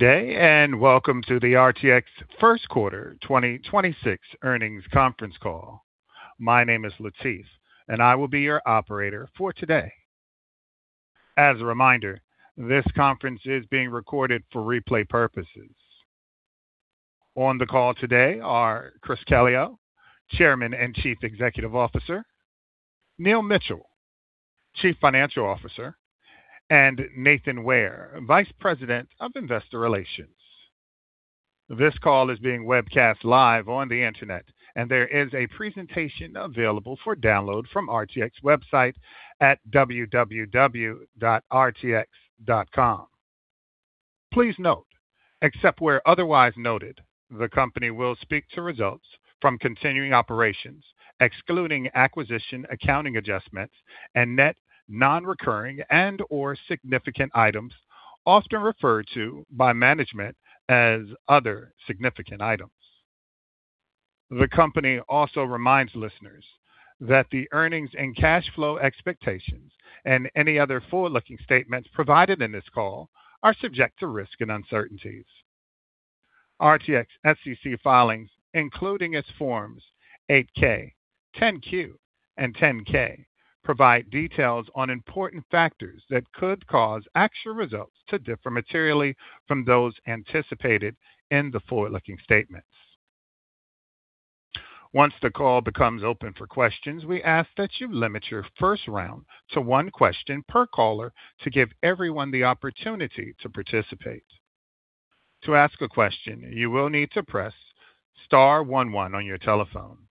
Good day, and welcome to the RTX first quarter 2026 earnings conference call. My name is Latif, and I will be your operator for today. As a reminder, this conference is being recorded for replay purposes. On the call today are Chris Calio, Chairman and Chief Executive Officer, Neil Mitchill, Chief Financial Officer, and Nathan Ware, Vice President of Investor Relations. This call is being webcast live on the internet, and there is a presentation available for download from RTX website at www.rtx.com. Please note, except where otherwise noted, the company will speak to results from continuing operations excluding acquisition, accounting adjustments and net non-recurring and/or significant items often referred to by management as other significant items. The company also reminds listeners that the earnings and cash flow expectations and any other forward-looking statements provided in this call are subject to risk and uncertainties. RTX SEC filings, including its Forms 8-K, 10-Q, and 10-K, provide details on important factors that could cause actual results to differ materially from those anticipated in the forward-looking statements. Once the call becomes open for questions, we ask that you limit your first round to one question per caller to give everyone the opportunity to participate. To ask a question, you will need to press star one one on your telephone.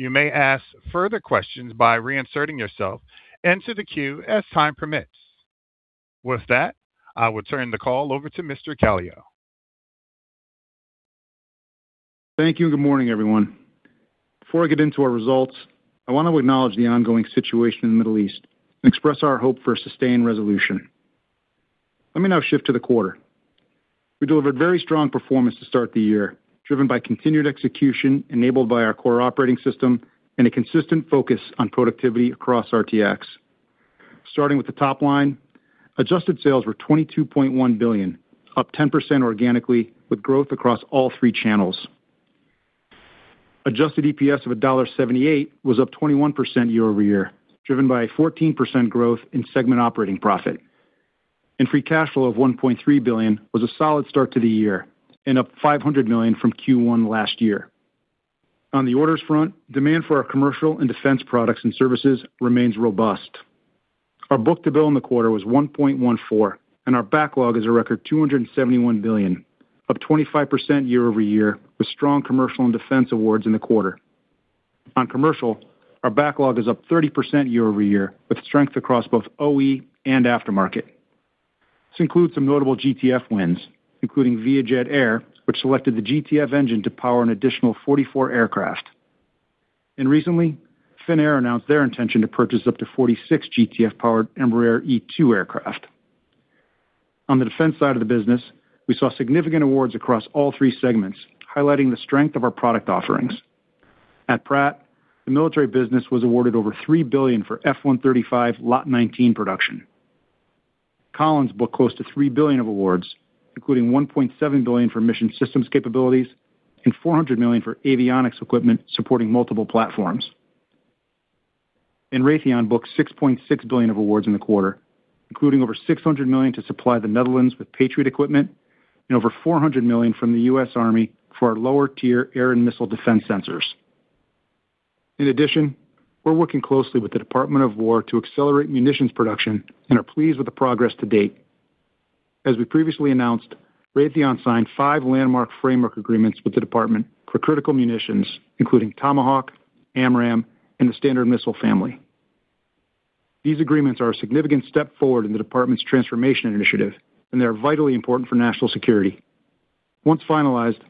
You may ask further questions by reinserting yourself into the queue as time permits. With that, I will turn the call over to Mr. Calio. Thank you, and good morning, everyone. Before I get into our results, I want to acknowledge the ongoing situation in the Middle East and express our hope for a sustained resolution. Let me now shift to the quarter. We delivered very strong performance to start the year, driven by continued execution enabled by our core operating system and a consistent focus on productivity across RTX. Starting with the top line, adjusted sales were $22.1 billion, up 10% organically with growth across all three channels. Adjusted EPS of $1.78 was up 21% year-over-year, driven by a 14% growth in segment operating profit. Free cash flow of $1.3 billion was a solid start to the year and up $500 million from Q1 last year. On the orders front, demand for our commercial and defense products and services remains robust. Our book-to-bill in the quarter was 1.14x, and our backlog is a record $271 billion, up 25% year-over-year, with strong commercial and defense awards in the quarter. On commercial, our backlog is up 30% year-over-year, with strength across both OE and aftermarket. This includes some notable GTF wins, including VietJet Air, which selected the GTF engine to power an additional 44 aircraft. Recently, Finnair announced their intention to purchase up to 46 GTF-powered Embraer E2 aircraft. On the defense side of the business, we saw significant awards across all three segments, highlighting the strength of our product offerings. At Pratt, the military business was awarded over $3 billion for F-135 Lot 19 production. Collins booked close to $3 billion of awards, including $1.7 billion for mission systems capabilities and $400 million for avionics equipment supporting multiple platforms. Raytheon booked $6.6 billion of awards in the quarter, including over $600 million to supply the Netherlands with Patriot equipment and over $400 million from the U.S. Army for our lower-tier air and missile defense sensors. In addition, we're working closely with the Department of War to accelerate munitions production and are pleased with the progress to date. As we previously announced, Raytheon signed five landmark framework agreements with the department for critical munitions, including Tomahawk, AMRAAM, and the Standard Missile family. These agreements are a significant step forward in the department's transformation initiative, and they are vitally important for national security. Once finalized,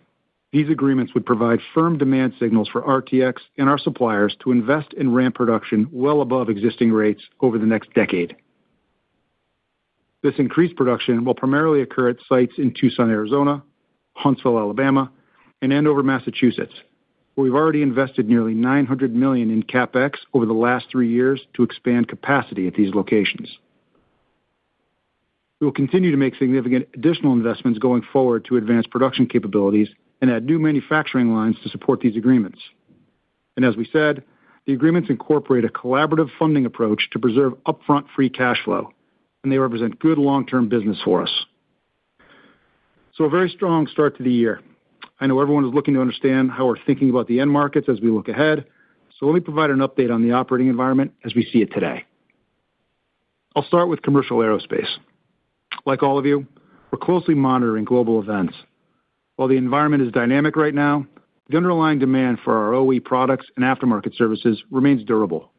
these agreements would provide firm demand signals for RTX and our suppliers to invest in ramp production well above existing rates over the next decade. This increased production will primarily occur at sites in Tucson, Arizona, Huntsville, Alabama, and Andover, Massachusetts, where we've already invested nearly $900 million in CapEx over the last three years to expand capacity at these locations. We will continue to make significant additional investments going forward to advance production capabilities and add new manufacturing lines to support these agreements. As we said, the agreements incorporate a collaborative funding approach to preserve upfront free cash flow, and they represent good long-term business for us. A very strong start to the year. I know everyone is looking to understand how we're thinking about the end markets as we look ahead. Let me provide an update on the operating environment as we see it today. I'll start with commercial aerospace. Like all of you, we're closely monitoring global events. While the environment is dynamic right now, the underlying demand for our OE products and aftermarket services remains durable.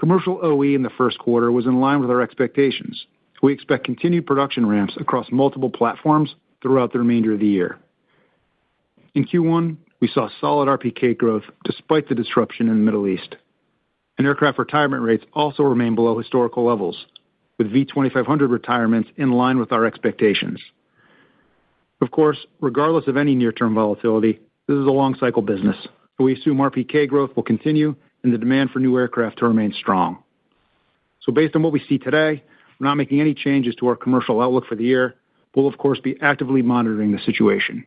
Commercial OE in the first quarter was in line with our expectations, so we expect continued production ramps across multiple platforms throughout the remainder of the year. In Q1, we saw solid RPK growth despite the disruption in the Middle East, and aircraft retirement rates also remain below historical levels, with V2500 retirements in line with our expectations. Of course, regardless of any near-term volatility, this is a long-cycle business, so we assume RPK growth will continue and the demand for new aircraft to remain strong. Based on what we see today, we're not making any changes to our commercial outlook for the year. We'll of course, be actively monitoring the situation.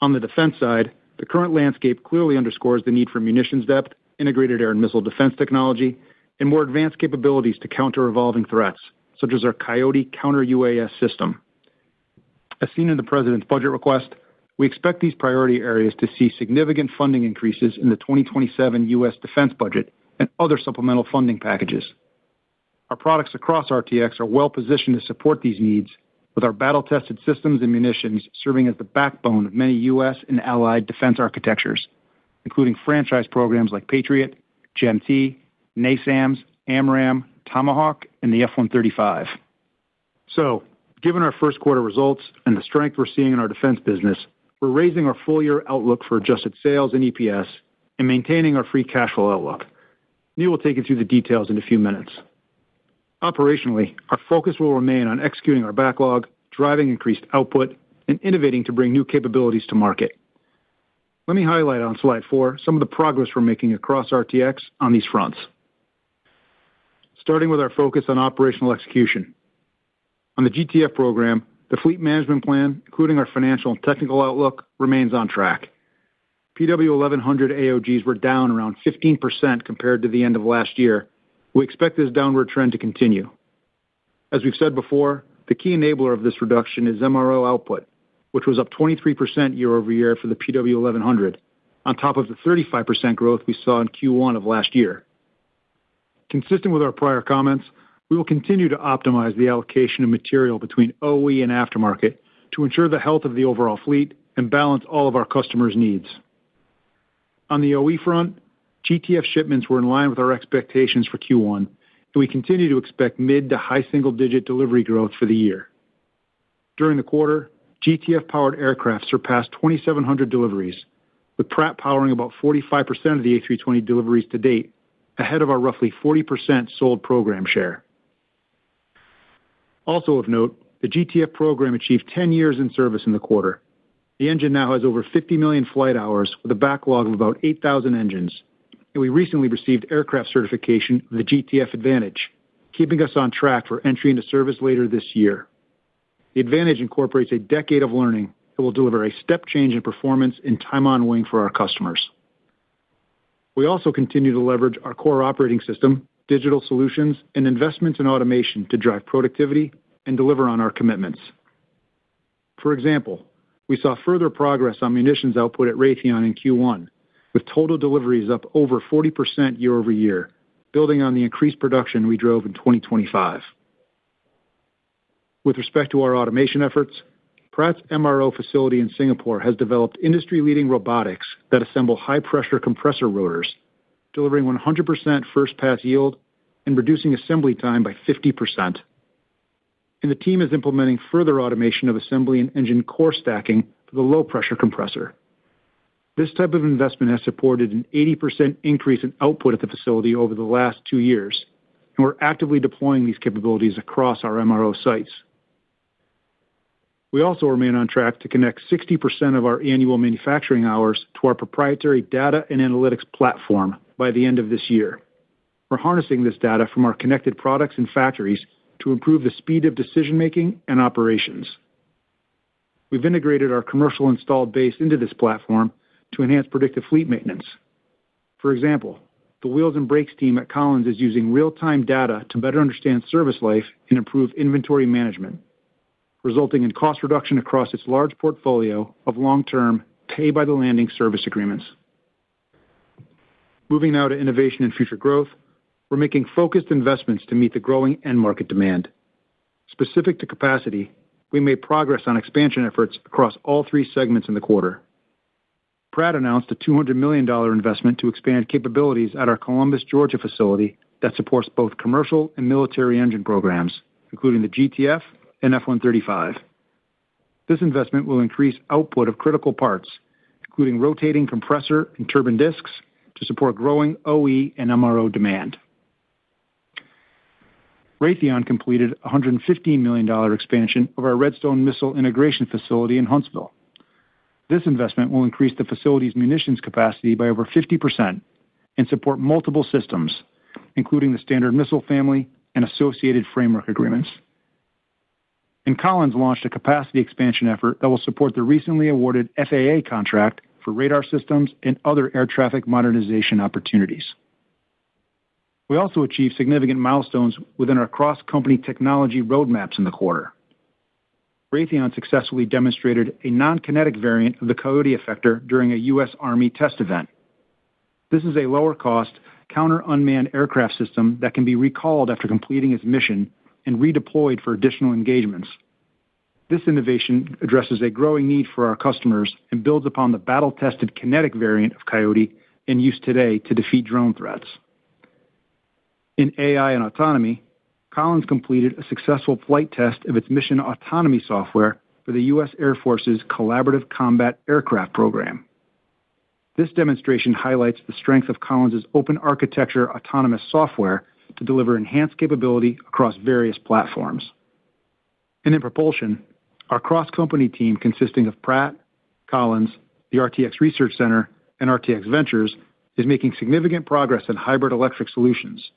On the defense side, the current landscape clearly underscores the need for munitions depth, integrated air and missile defense technology, and more advanced capabilities to counter evolving threats, such as our Coyote Counter-UAS System. As seen in the President's budget request, we expect these priority areas to see significant funding increases in the 2027 U.S. defense budget and other supplemental funding packages. Our products across RTX are well-positioned to support these needs with our battle-tested systems and munitions serving as the backbone of many U.S. and allied defense architectures, including franchise programs like Patriot, GEM-T, NASAMS, AMRAAM, Tomahawk, and the F-135. Given our first quarter results and the strength we're seeing in our defense business, we're raising our full-year outlook for adjusted sales and EPS and maintaining our free cash flow outlook. Neil will take you through the details in a few minutes. Operationally, our focus will remain on executing our backlog, driving increased output, and innovating to bring new capabilities to market. Let me highlight on slide four some of the progress we're making across RTX on these fronts. Starting with our focus on operational execution. On the GTF program, the fleet management plan, including our financial and technical outlook, remains on track. PW1100 AOGs were down around 15% compared to the end of last year. We expect this downward trend to continue. As we've said before, the key enabler of this reduction is MRO output, which was up 23% year-over-year for the PW1100, on top of the 35% growth we saw in Q1 of last year. Consistent with our prior comments, we will continue to optimize the allocation of material between OE and aftermarket to ensure the health of the overall fleet and balance all of our customers' needs. On the OE front, GTF shipments were in line with our expectations for Q1, and we continue to expect mid- to high single-digit delivery growth for the year. During the quarter, GTF-powered aircraft surpassed 2,700 deliveries, with Pratt powering about 45% of the A320 deliveries to date, ahead of our roughly 40% sold program share. Also of note, the GTF program achieved 10 years in service in the quarter. The engine now has over 50 million flight hours with a backlog of about 8,000 engines, and we recently received aircraft certification for the GTF Advantage, keeping us on track for entry into service later this year. The Advantage incorporates a decade of learning that will deliver a step change in performance and time on wing for our customers. We also continue to leverage our core operating system, digital solutions, and investments in automation to drive productivity and deliver on our commitments. For example, we saw further progress on munitions output at Raytheon in Q1, with total deliveries up over 40% year-over-year, building on the increased production we drove in 2025. With respect to our automation efforts, Pratt's MRO facility in Singapore has developed industry-leading robotics that assemble high-pressure compressor rotors, delivering 100% first pass yield and reducing assembly time by 50%. The team is implementing further automation of assembly and engine core stacking for the low-pressure compressor. This type of investment has supported an 80% increase in output at the facility over the last two years, and we're actively deploying these capabilities across our MRO sites. We also remain on track to connect 60% of our annual manufacturing hours to our proprietary data and analytics platform by the end of this year. We're harnessing this data from our connected products and factories to improve the speed of decision-making and operations. We've integrated our commercial installed base into this platform to enhance predictive fleet maintenance. For example, the wheels and brakes team at Collins is using real-time data to better understand service life and improve inventory management, resulting in cost reduction across its large portfolio of long-term pay-by-the-landing service agreements. Moving now to innovation and future growth, we're making focused investments to meet the growing end market demand. Specific to capacity, we made progress on expansion efforts across all three segments in the quarter. Pratt announced a $200 million investment to expand capabilities at our Columbus, Georgia facility that supports both commercial and military engine programs, including the GTF and F135. This investment will increase output of critical parts, including rotating compressor and turbine discs, to support growing OE and MRO demand. Raytheon completed a $115 million expansion of our Redstone Missile Integration Facility in Huntsville. This investment will increase the facility's munitions capacity by over 50% and support multiple systems, including the Standard Missile family and associated framework agreements. Collins launched a capacity expansion effort that will support the recently awarded FAA contract for radar systems and other air traffic modernization opportunities. We also achieved significant milestones within our cross-company technology roadmaps in the quarter. Raytheon successfully demonstrated a non-kinetic variant of the Coyote effector during a U.S. Army test event. This is a lower cost counter unmanned aircraft system that can be recalled after completing its mission and redeployed for additional engagements. This innovation addresses a growing need for our customers and builds upon the battle-tested kinetic variant of Coyote in use today to defeat drone threats. In AI and autonomy, Collins completed a successful flight test of its mission autonomy software for the U.S. Air Force's Collaborative Combat Aircraft program. This demonstration highlights the strength of Collins' open architecture autonomous software to deliver enhanced capability across various platforms. In propulsion, our cross-company team consisting of Pratt, Collins, the RTX Technology Research Center, and RTX Ventures, is making significant progress in hybrid-electric solutions.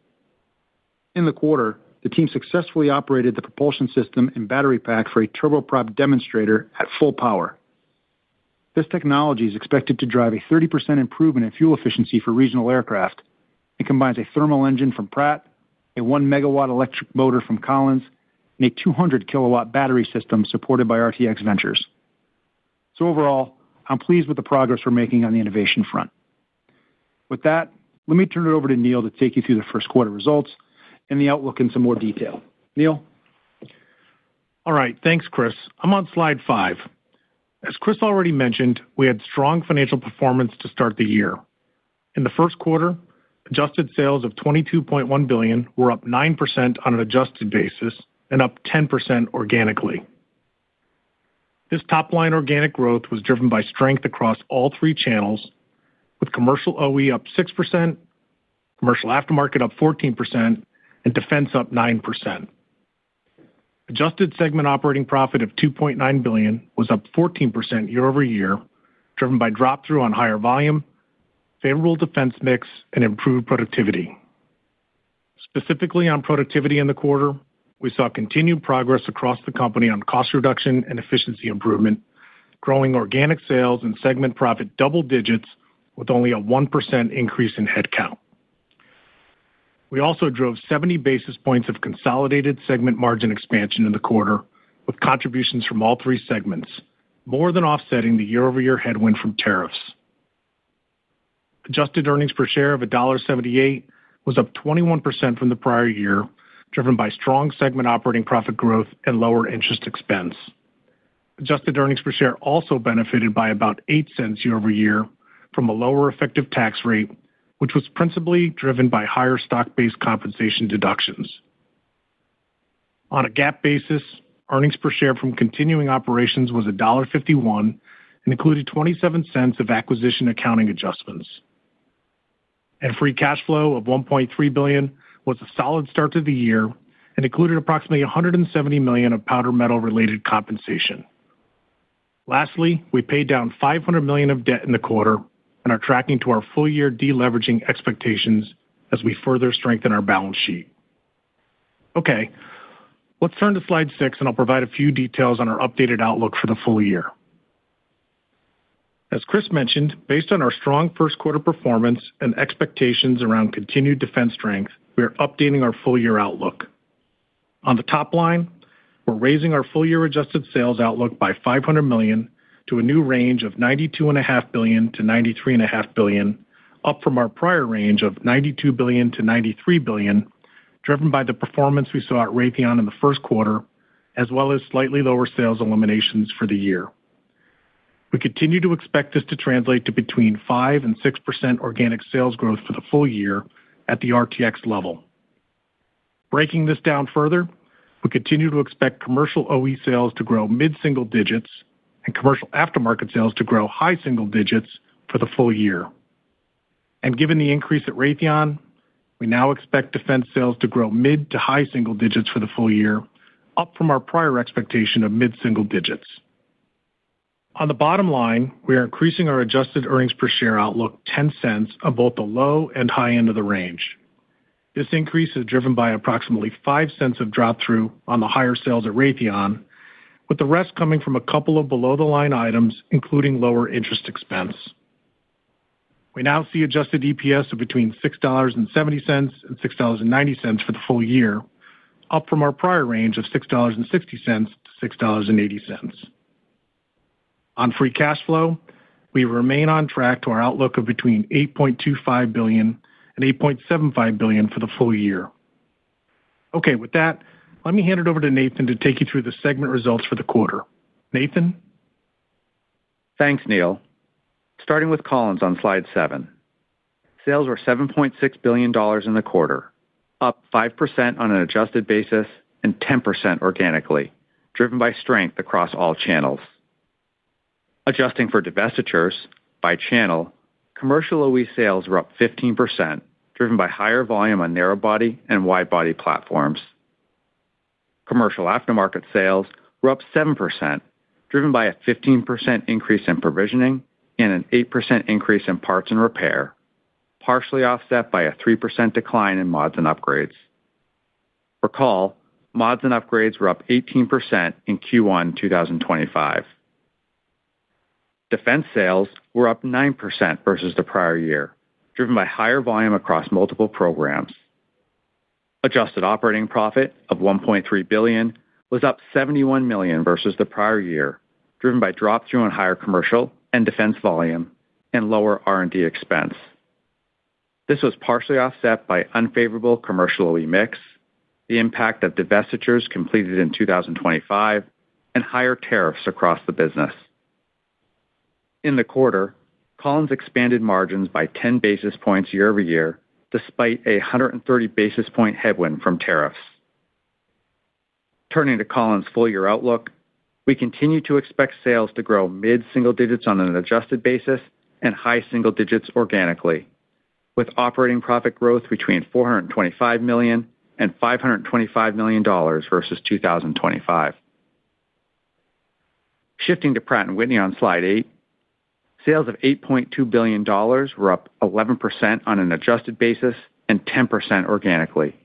In the quarter, the team successfully operated the propulsion system and battery pack for a turboprop demonstrator at full power. This technology is expected to drive a 30% improvement in fuel efficiency for regional aircraft and combines a thermal engine from Pratt, a 1 MW electric motor from Collins, and a 200 kW battery system supported by RTX Ventures. Overall, I'm pleased with the progress we're making on the innovation front. With that, let me turn it over to Neil to take you through the first quarter results and the outlook in some more detail. Neil? All right. Thanks, Chris. I'm on slide five. As Chris already mentioned, we had strong financial performance to start the year. In the first quarter, adjusted sales of $22.1 billion were up 9% on an adjusted basis and up 10% organically. This top-line organic growth was driven by strength across all three channels, with commercial OE up 6%, commercial aftermarket up 14%, and defense up 9%. Adjusted segment operating profit of $2.9 billion was up 14% year-over-year, driven by drop-through on higher volume, favorable defense mix, and improved productivity. Specifically on productivity in the quarter, we saw continued progress across the company on cost reduction and efficiency improvement, growing organic sales and segment profit double digits with only a 1% increase in headcount. We also drove 70 basis points of consolidated segment margin expansion in the quarter, with contributions from all three segments, more than offsetting the year-over-year headwind from tariffs. Adjusted earnings per share of $1.78 was up 21% from the prior year, driven by strong segment operating profit growth and lower interest expense. Adjusted earnings per share also benefited by about $0.08 year-over-year from a lower effective tax rate, which was principally driven by higher stock-based compensation deductions. On a GAAP basis, earnings per share from continuing operations was $1.51 and included $0.27 of acquisition accounting adjustments. Free cash flow of $1.3 billion was a solid start to the year and included approximately $170 million of powder metal-related compensation. Lastly, we paid down $500 million of debt in the quarter and are tracking to our full-year de-leveraging expectations as we further strengthen our balance sheet. Okay. Let's turn to slide six and I'll provide a few details on our updated outlook for the full year. As Chris mentioned, based on our strong first quarter performance and expectations around continued defense strength, we are updating our full year outlook. On the top line, we're raising our full year adjusted sales outlook by $500 million to a new range of $92.5 billion-$93.5 billion, up from our prior range of $92 billion-$93 billion, driven by the performance we saw at Raytheon in the first quarter, as well as slightly lower sales eliminations for the year. We continue to expect this to translate to between 5% and 6% organic sales growth for the full year at the RTX level. Breaking this down further, we continue to expect commercial OE sales to grow mid-single digits and commercial aftermarket sales to grow high single-digits for the full year. Given the increase at Raytheon, we now expect defense sales to grow mid to high single digits for the full year, up from our prior expectation of mid-single digits. On the bottom line, we are increasing our adjusted earnings per share outlook $0.10 on both the low and high end of the range. This increase is driven by approximately $0.05 of drop-through on the higher sales at Raytheon, with the rest coming from a couple of below-the-line items, including lower interest expense. We now see adjusted EPS of between $6.70 and $6.90 for the full year, up from our prior range of $6.60-$6.80. On free cash flow, we remain on track to our outlook of between $8.25 billion-$8.75 billion for the full year. Okay. With that, let me hand it over to Nathan to take you through the segment results for the quarter. Nathan? Thanks, Neil. Starting with Collins on slide seven. Sales were $7.6 billion in the quarter, up 5% on an adjusted basis and 10% organically, driven by strength across all channels. Adjusting for divestitures by channel, commercial OE sales were up 15%, driven by higher volume on narrow body and wide body platforms. Commercial aftermarket sales were up 7%, driven by a 15% increase in provisioning and an 8% increase in parts and repair, partially offset by a 3% decline in mods and upgrades. Recall, mods and upgrades were up 18% in Q1 2025. Defense sales were up 9% versus the prior year, driven by higher volume across multiple programs. Adjusted operating profit of $1.3 billion was up $71 million versus the prior year, driven by drop-through on higher commercial and defense volume and lower R&D expense. This was partially offset by unfavorable commercial OE mix, the impact of divestitures completed in 2025, and higher tariffs across the business. In the quarter, Collins expanded margins by 10 basis points year-over-year, despite 130 basis point headwind from tariffs. Turning to Collins' full-year outlook, we continue to expect sales to grow mid-single digits on an adjusted basis and high single digits organically. With operating profit growth between $425 million and $525 million versus 2025. Shifting to Pratt & Whitney on slide eight. Sales of $8.2 billion were up 11% on an adjusted basis and 10% organically,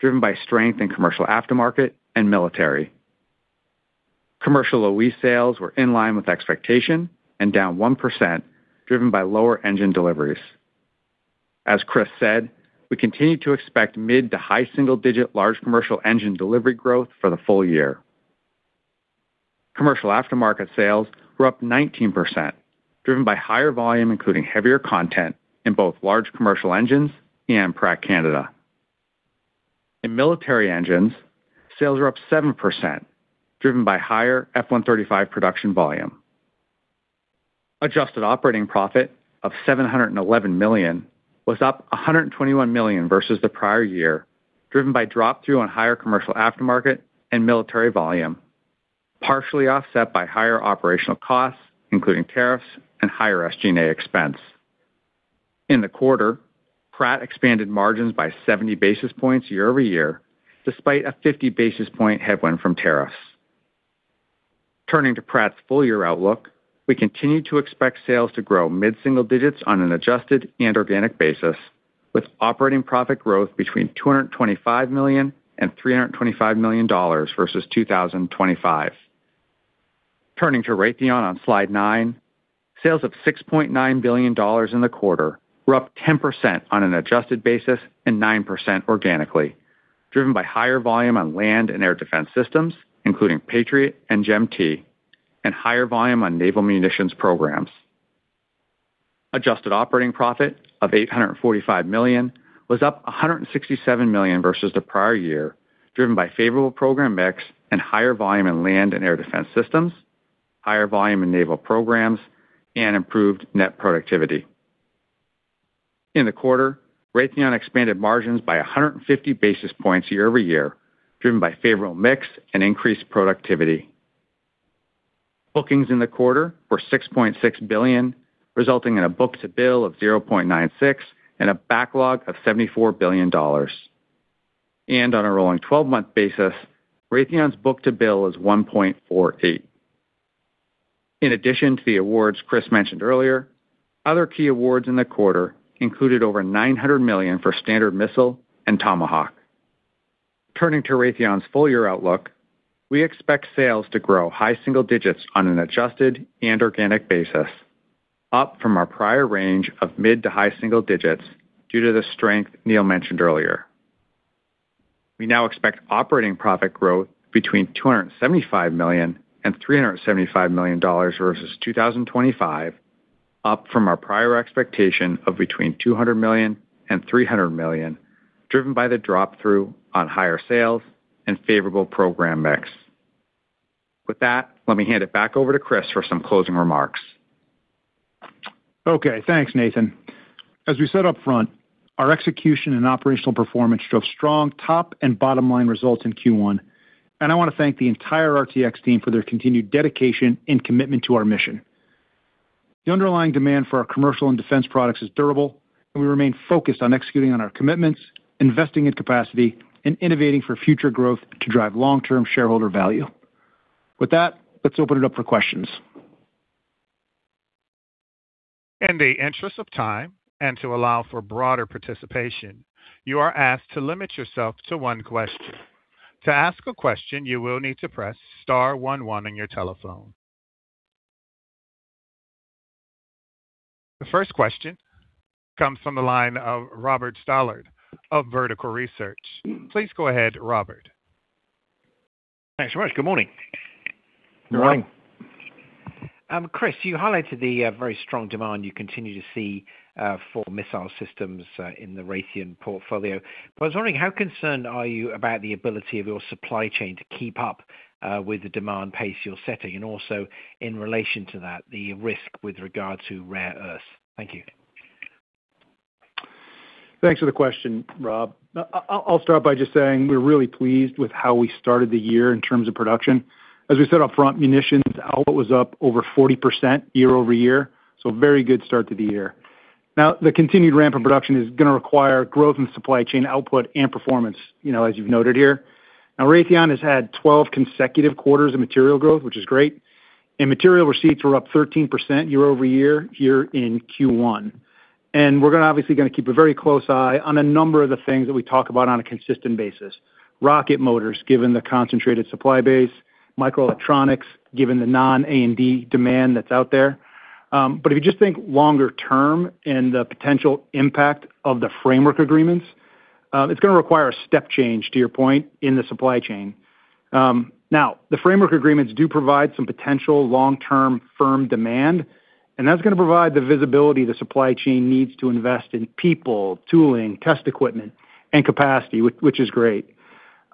driven by strength in commercial aftermarket and military. Commercial OE sales were in line with expectation and down 1%, driven by lower engine deliveries. As Chris said, we continue to expect mid- to high single-digit large commercial engine delivery growth for the full year. Commercial aftermarket sales were up 19%, driven by higher volume, including heavier content in both large commercial engines and Pratt Canada. In military engines, sales were up 7%, driven by higher F135 production volume. Adjusted operating profit of $711 million was up $121 million versus the prior year, driven by drop through on higher commercial aftermarket and military volume, partially offset by higher operational costs, including tariffs and higher SG&A expense. In the quarter, Pratt expanded margins by 70 basis points year-over-year, despite a 50 basis point headwind from tariffs. Turning to Pratt's full year outlook, we continue to expect sales to grow mid-single digits on an adjusted and organic basis, with operating profit growth between $225 million and $325 million versus 2025. Turning to Raytheon on slide nine. Sales of $6.9 billion in the quarter were up 10% on an adjusted basis and 9% organically, driven by higher volume on land and air defense systems, including Patriot and GEM-T, and higher volume on naval munitions programs. Adjusted operating profit of $845 million was up $167 million versus the prior year, driven by favorable program mix and higher volume in land and air defense systems, higher volume in naval programs, and improved net productivity. In the quarter, Raytheon expanded margins by 150 basis points year-over-year, driven by favorable mix and increased productivity. Bookings in the quarter were $6.6 billion, resulting in a book-to-bill of 0.96x and a backlog of $74 billion. On a rolling 12-month basis, Raytheon's book-to-bill is 1.48x. In addition to the awards Chris mentioned earlier, other key awards in the quarter included over $900 million for Standard Missile and Tomahawk. Turning to Raytheon's full year outlook, we expect sales to grow high single digits on an adjusted and organic basis, up from our prior range of mid to high single digits due to the strength Neil mentioned earlier. We now expect operating profit growth between $275 million and $375 million versus 2025, up from our prior expectation of between $200 million and $300 million, driven by the drop through on higher sales and favorable program mix. With that, let me hand it back over to Chris for some closing remarks. Okay. Thanks, Nathan. As we said up front, our execution and operational performance drove strong top and bottom-line results in Q1, and I want to thank the entire RTX team for their continued dedication and commitment to our mission. The underlying demand for our commercial and defense products is durable, and we remain focused on executing on our commitments, investing in capacity, and innovating for future growth to drive long-term shareholder value. With that, let's open it up for questions. In the interest of time and to allow for broader participation, you are asked to limit yourself to one question. To ask a question, you will need to press star one one on your telephone. The first question comes from the line of Robert Stallard of Vertical Research. Please go ahead, Robert. Thanks very much. Good morning. Good morning. Chris, you highlighted the very strong demand you continue to see for missile systems in the Raytheon portfolio. I was wondering, how concerned are you about the ability of your supply chain to keep up with the demand pace you're setting and also in relation to that, the risk with regard to rare earths? Thank you. Thanks for the question, Rob. I'll start by just saying we're really pleased with how we started the year in terms of production. As we said up front, munitions output was up over 40% year-over-year, so very good start to the year. Now, the continued ramp in production is going to require growth in supply chain output and performance, as you've noted here. Now Raytheon has had 12 consecutive quarters of material growth, which is great. Material receipts were up 13% year-over-year here in Q1. We're going to obviously keep a very close eye on a number of the things that we talk about on a consistent basis. Rocket motors, given the concentrated supply base, microelectronics, given the non-A&D demand that's out there. If you just think longer term and the potential impact of the framework agreements, it's going to require a step change to your point in the supply chain. Now, the framework agreements do provide some potential long-term firm demand, and that's going to provide the visibility the supply chain needs to invest in people, tooling, test equipment, and capacity, which is great.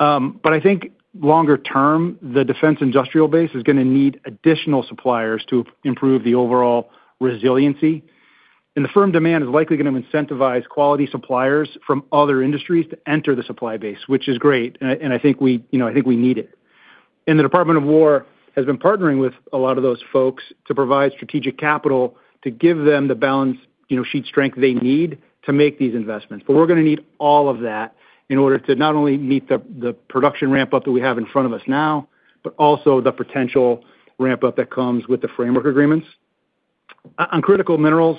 I think longer term, the defense industrial base is going to need additional suppliers to improve the overall resiliency. The firm demand is likely going to incentivize quality suppliers from other industries to enter the supply base, which is great, and I think we need it. The Department of War has been partnering with a lot of those folks to provide strategic capital to give them the balance sheet strength they need to make these investments. We're going to need all of that in order to not only meet the production ramp-up that we have in front of us now, but also the potential ramp-up that comes with the framework agreements. On critical minerals,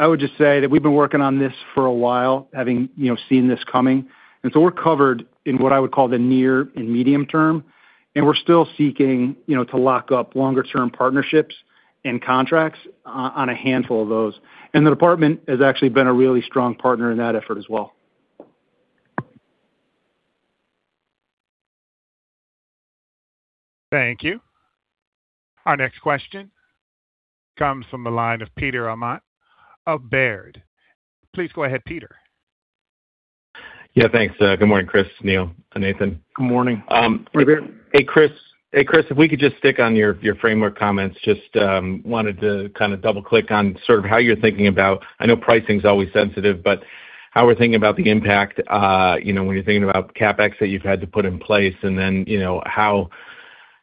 I would just say that we've been working on this for a while, having seen this coming, and so we're covered in what I would call the near and medium term, and we're still seeking to lock up longer term partnerships and contracts on a handful of those. The department has actually been a really strong partner in that effort as well. Thank you. Our next question comes from the line of Peter Arment of Baird. Please go ahead, Peter. Yeah, thanks. Good morning, Chris, Neil, and Nathan. Good morning. Hey, Chris. If we could just stick on your framework comments, just wanted to kind of double click on sort of how you're thinking about, I know pricing's always sensitive, but how we're thinking about the impact, when you're thinking about CapEx that you've had to put in place. Then,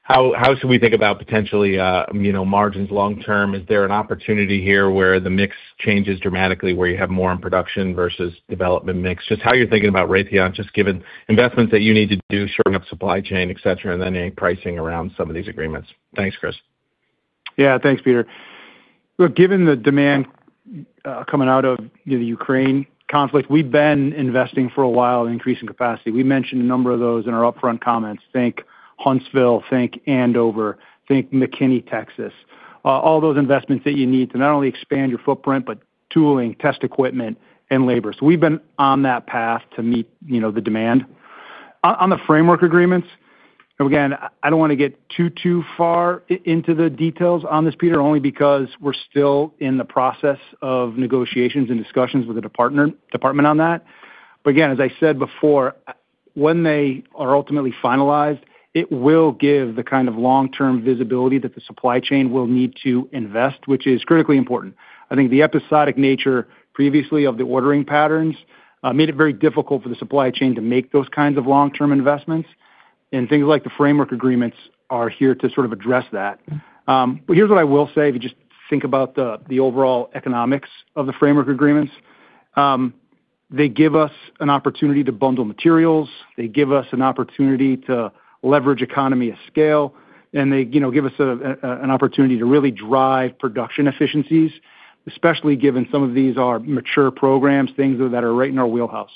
how should we think about potentially margins long term? Is there an opportunity here where the mix changes dramatically, where you have more in production versus development mix? Just how you're thinking about Raytheon, just given investments that you need to do, shoring up supply chain, et cetera, and then any pricing around some of these agreements. Thanks, Chris. Yeah. Thanks, Peter. Look, given the demand coming out of the Ukraine conflict, we've been investing for a while in increasing capacity. We mentioned a number of those in our upfront comments. Think Huntsville, think Andover, think McKinney, Texas. All those investments that you need to not only expand your footprint, but tooling, test equipment, and labor. We've been on that path to meet the demand. On the framework agreements, and again, I don't want to get too far into the details on this, Peter, only because we're still in the process of negotiations and discussions with the department on that. Again, as I said before, when they are ultimately finalized, it will give the kind of long-term visibility that the supply chain will need to invest, which is critically important. I think the episodic nature previously of the ordering patterns, made it very difficult for the supply chain to make those kinds of long-term investments. Things like the framework agreements are here to sort of address that. Here's what I will say, if you just think about the overall economics of the framework agreements, they give us an opportunity to bundle materials. They give us an opportunity to leverage economy of scale, and they give us an opportunity to really drive production efficiencies, especially given some of these are mature programs, things that are right in our wheelhouse.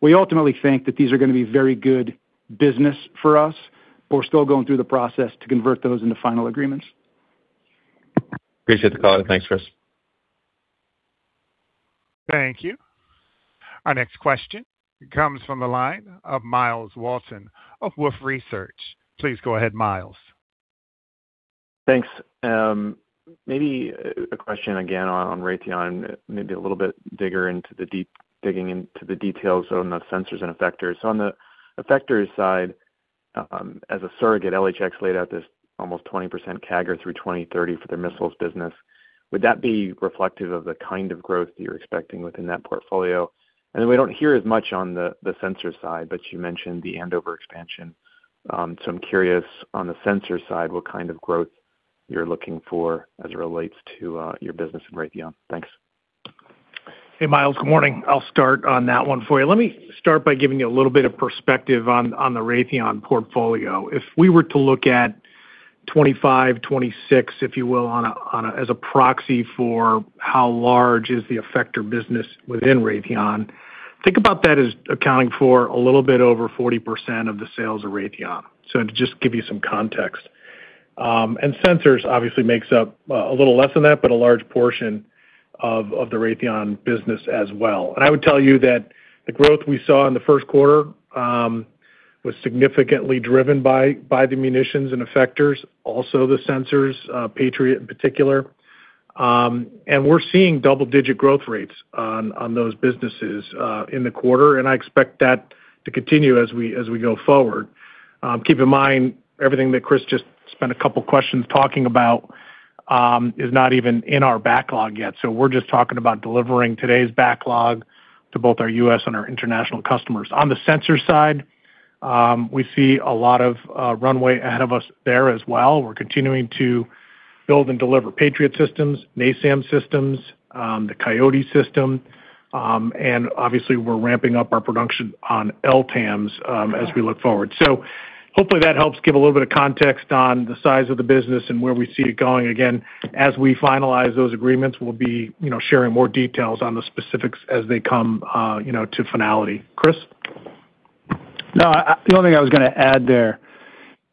We ultimately think that these are going to be very good business for us, but we're still going through the process to convert those into final agreements. Appreciate the call. Thanks, Chris. Thank you. Our next question comes from the line of Myles Walton of Wolfe Research. Please go ahead, Myles. Thanks. Maybe a question again on Raytheon, maybe a little bit digging into the details on the sensors and effectors. On the effectors side, as a surrogate, L3Harris laid out this almost 20% CAGR through 2030 for their missiles business. Would that be reflective of the kind of growth that you're expecting within that portfolio? And then we don't hear as much on the sensor side, but you mentioned the Andover expansion. I'm curious on the sensor side, what kind of growth you're looking for as it relates to your business in Raytheon. Thanks. Hey, Myles. Good morning. I'll start on that one for you. Let me start by giving you a little bit of perspective on the Raytheon portfolio. If we were to look at 2025, 2026, if you will, as a proxy for how large is the effector business within Raytheon, think about that as accounting for a little bit over 40% of the sales of Raytheon. So to just give you some context. Sensors obviously makes up a little less than that, but a large portion of the Raytheon business as well. I would tell you that the growth we saw in the first quarter was significantly driven by the munitions and effectors, also the sensors, Patriot in particular. We're seeing double-digit growth rates on those businesses in the quarter, and I expect that to continue as we go forward. Keep in mind, everything that Chris just spent a couple questions talking about, is not even in our backlog yet. We're just talking about delivering today's backlog to both our U.S. and our international customers. On the sensor side, we see a lot of runway ahead of us there as well. We're continuing to build and deliver Patriot systems, NASAMS systems, the Coyote system, and obviously we're ramping up our production on LTAMDS as we look forward. Hopefully that helps give a little bit of context on the size of the business and where we see it going. Again, as we finalize those agreements, we'll be sharing more details on the specifics as they come to finality. Chris? No, the only thing I was going to add there,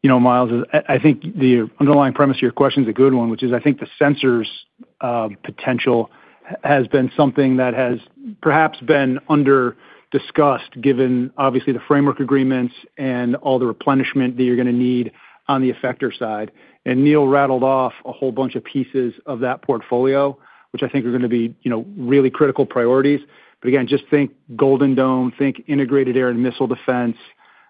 Myles, is I think the underlying premise of your question is a good one, which is, I think the sensors' potential has been something that has perhaps been under-discussed, given obviously the framework agreements and all the replenishment that you're going to need on the effector side. Neil rattled off a whole bunch of pieces of that portfolio, which I think are going to be really critical priorities. Again, just think Golden Dome, think Integrated Air & Missile Defense.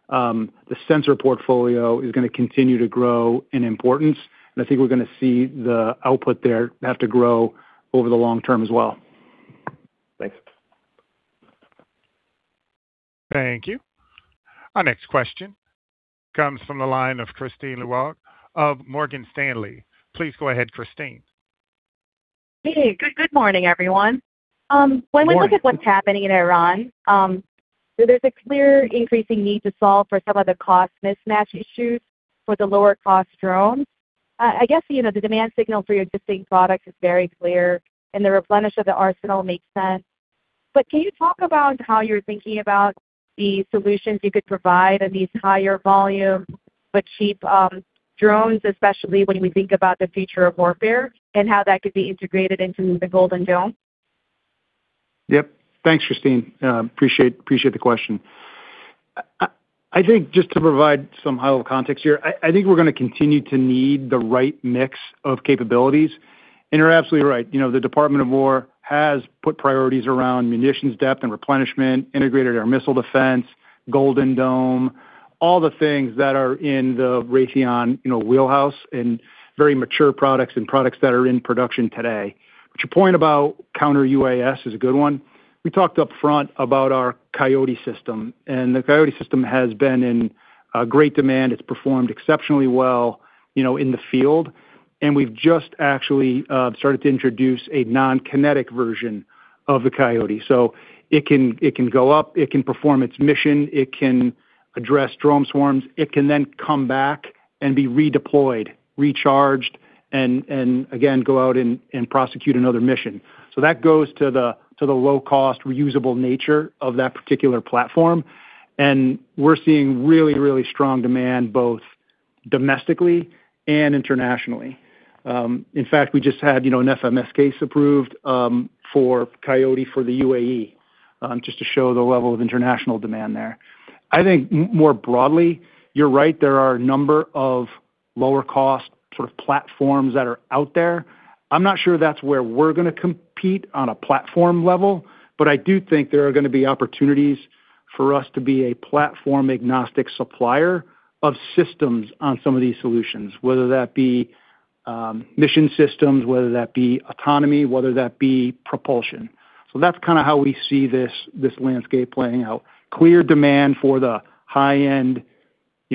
The sensor portfolio is going to continue to grow in importance, and I think we're going to see the output there have to grow over the long term as well. Thanks. Thank you. Our next question comes from the line of Kristine Liwag of Morgan Stanley. Please go ahead, Kristine. Hey. Good morning, everyone. Good morning. When we look at what's happening in Iran, so there's a clear increasing need to solve for some of the cost mismatch issues for the lower cost drones. I guess, the demand signal for your distinct product is very clear, and the replenish of the arsenal makes sense. Can you talk about how you're thinking about the solutions you could provide in these higher volume but cheap drones, especially when we think about the future of warfare, and how that could be integrated into the Golden Dome? Yep. Thanks, Kristine. Appreciate the question. I think just to provide some high-level context here, I think we're going to continue to need the right mix of capabilities. You're absolutely right, the Department of War has put priorities around munitions depth and replenishment, integrated air missile defense, Golden Dome, all the things that are in the Raytheon wheelhouse, and very mature products and products that are in production today. Your point about Counter-UAS is a good one. We talked upfront about our Coyote system, and the Coyote system has been in great demand. It's performed exceptionally well in the field, and we've just actually started to introduce a non-kinetic version of the Coyote. It can go up, it can perform its mission, it can address drone swarms. It can then come back and be redeployed, recharged, and, again, go out and prosecute another mission. That goes to the low cost, reusable nature of that particular platform. We're seeing really, really strong demand both domestically and internationally. In fact, we just had an FMS case approved, for Coyote for the UAE, just to show the level of international demand there. I think more broadly, you're right, there are a number of lower cost platforms that are out there. I'm not sure that's where we're going to compete on a platform level, but I do think there are going to be opportunities for us to be a platform-agnostic supplier of systems on some of these solutions, whether that be mission systems, whether that be autonomy, whether that be propulsion. That's kind of how we see this landscape playing out. Clear demand for the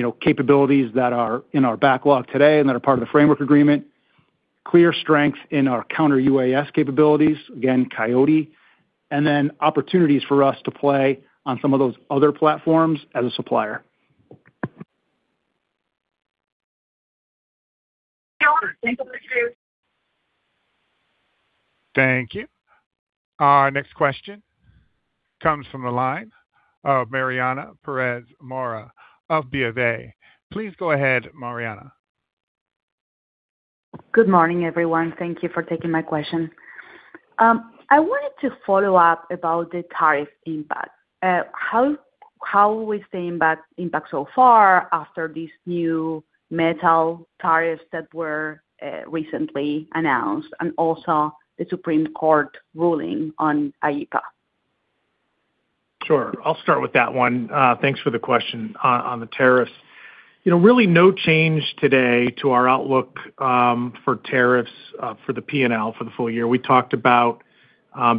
high-end capabilities that are in our backlog today and that are part of the framework agreement. Clear strength in our Counter-UAS capabilities, again, Coyote. Opportunities for us to play on some of those other platforms as a supplier. Thank you. Thank you. Our next question comes from the line of Mariana Pérez Mora of BofA. Please go ahead, Mariana. Good morning, everyone. Thank you for taking my question. I wanted to follow up about the tariff impact. How we see impact so far after these new metal tariffs that were recently announced, and also the Supreme Court ruling on IEEPA? Sure. I'll start with that one. Thanks for the question on the tariffs. Really no change today to our outlook for tariffs for the P&L for the full year. We talked about,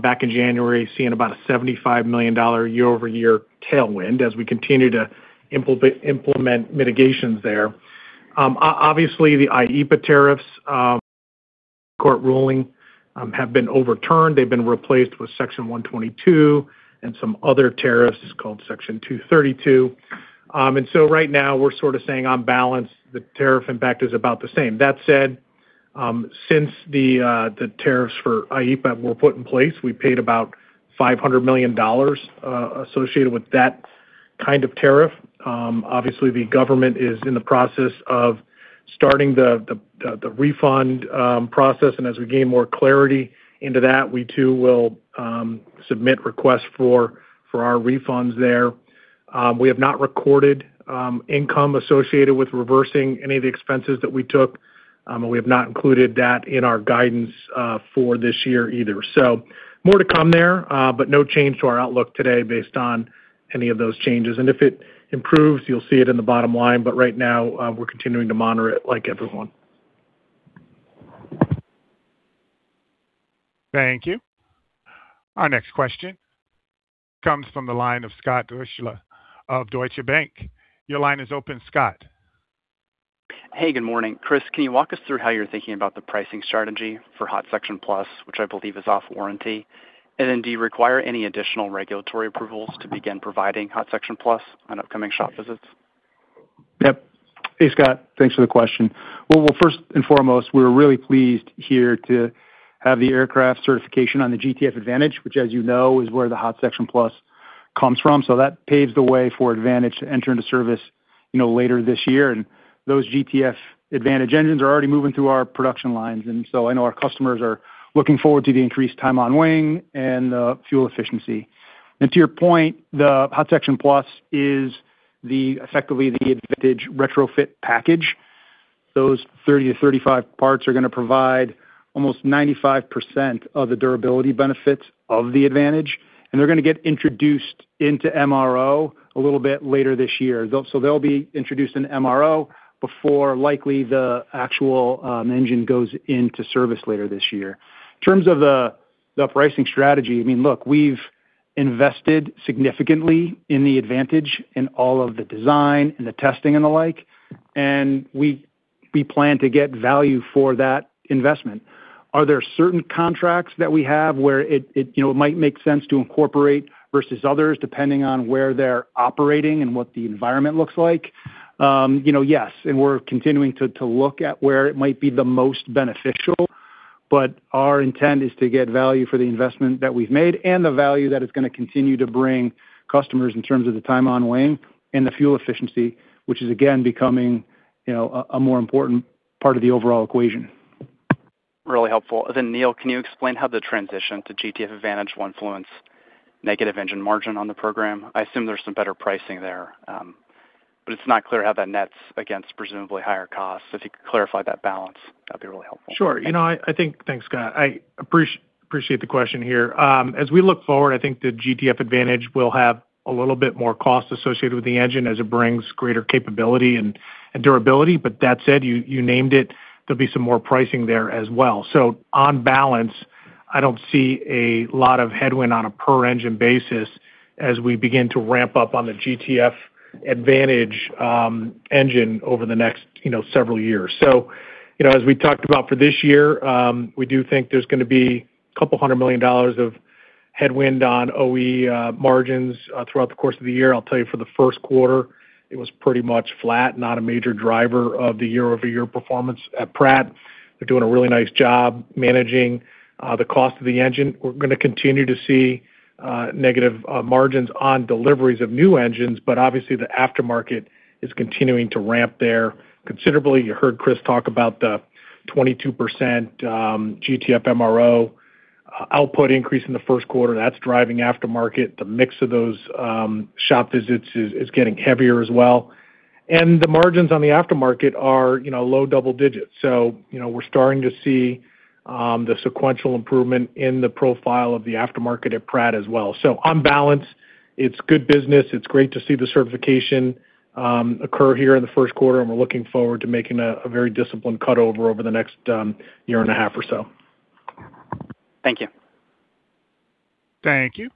back in January, seeing about a $75 million year-over-year tailwind as we continue to implement mitigations there. Obviously, the IEEPA tariffs court ruling have been overturned. They've been replaced with Section 122 and some other tariffs called Section 232. Right now, we're sort of saying, on balance, the tariff impact is about the same. That said, since the tariffs for IEEPA were put in place, we paid about $500 million associated with that kind of tariff. Obviously, the government is in the process of starting the refund process. As we gain more clarity into that, we, too, will submit requests for our refunds there. We have not recorded income associated with reversing any of the expenses that we took, and we have not included that in our guidance for this year either. More to come there, but no change to our outlook today based on any of those changes. If it improves, you'll see it in the bottom line. Right now, we're continuing to monitor it like everyone. Thank you. Our next question comes from the line of Scott Deuschle of Deutsche Bank. Your line is open, Scott. Hey, good morning. Chris, can you walk us through how you're thinking about the pricing strategy for Hot Section Plus, which I believe is off warranty? Do you require any additional regulatory approvals to begin providing Hot Section Plus on upcoming shop visits? Yep. Hey, Scott. Thanks for the question. Well, first and foremost, we're really pleased here to have the aircraft certification on the GTF Advantage, which as you know, is where the Hot Section Plus comes from. That paves the way for Advantage to enter into service later this year, and those GTF Advantage engines are already moving through our production lines. I know our customers are looking forward to the increased time on wing and the fuel efficiency. To your point, the Hot Section Plus is effectively the Advantage retrofit package. Those 30, 35 parts are going to provide almost 95% of the durability benefits of the Advantage, and they're going to get introduced into MRO A little bit later this year. They'll be introduced in MRO before likely the actual engine goes into service later this year. In terms of the pricing strategy, look, we've invested significantly in the Advantage in all of the design, in the testing, and the like, and we plan to get value for that investment. Are there certain contracts that we have where it might make sense to incorporate versus others, depending on where they're operating and what the environment looks like? Yes. We're continuing to look at where it might be the most beneficial. Our intent is to get value for the investment that we've made and the value that it's going to continue to bring customers in terms of the time on wing and the fuel efficiency, which is again becoming a more important part of the overall equation. Really helpful. Neil, can you explain how the transition to GTF Advantage will influence negative engine margin on the program? I assume there's some better pricing there. It's not clear how that nets against presumably higher costs. If you could clarify that balance, that'd be really helpful. Sure. Thanks, Scott. I appreciate the question here. As we look forward, I think the GTF Advantage will have a little bit more cost associated with the engine as it brings greater capability and durability. That said, you named it, there'll be some more pricing there as well. On balance, I don't see a lot of headwind on a per-engine basis as we begin to ramp up on the GTF Advantage engine over the next several years. As we talked about for this year, we do think there's going to be $200 million of headwind on OE margins throughout the course of the year. I'll tell you for the first quarter, it was pretty much flat, not a major driver of the year-over-year performance at Pratt. They're doing a really nice job managing the cost of the engine. We're going to continue to see negative margins on deliveries of new engines, but obviously the aftermarket is continuing to ramp there considerably. You heard Chris talk about the 22% GTF MRO output increase in the first quarter. That's driving aftermarket. The mix of those shop visits is getting heavier as well. The margins on the aftermarket are low double digits. We're starting to see the sequential improvement in the profile of the aftermarket at Pratt as well. On balance, it's good business. It's great to see the certification occur here in the first quarter, and we're looking forward to making a very disciplined cutover over the next year and a half or so. Thank you. Thank you.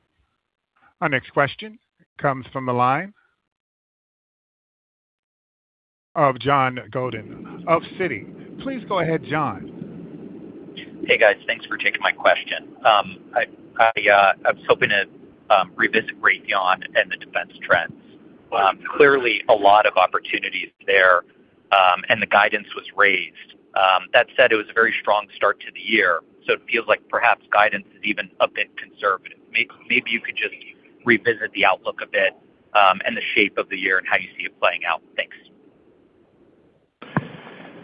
Our next question comes from the line of John Godin of Citi. Please go ahead, John. Hey, guys. Thanks for taking my question. I was hoping to revisit Raytheon and the defense trends. Clearly, a lot of opportunities there, and the guidance was raised. That said, it was a very strong start to the year, so it feels like perhaps guidance is even a bit conservative. Maybe you could just revisit the outlook a bit, and the shape of the year, and how you see it playing out. Thanks.